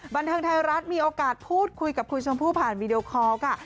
บันเทิงไทยรัฐมีโอกาสพูดคุยกับคุณชมพู่ผ่านวีดีโอคอลค่ะ